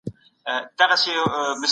تدريس د ځانګړي محتوا وړاندي کول دي.